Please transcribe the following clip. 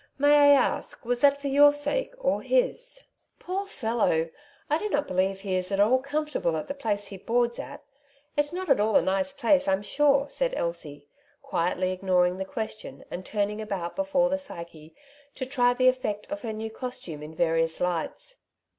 May I ask, was that for your sake, or his ?" 104 "^^^ Sides to every Question^ "Poor fellow I I do not believe lie is at all com fortable at the place lie boards at; it's not at all a nice place, I'm sure,'' said Elsie, quietly ignoring the question, and turning about before the ''Psyche," to try the effect of her new costume in various lights.